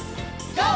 ＧＯ！